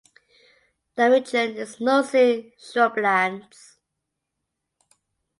The region is mostly shrublands.